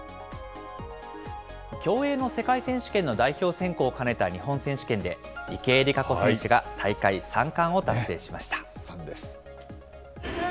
競泳の世界選手権の代表選考を兼ねた日本選手権で、池江璃花子選手が大会３冠を達成しました。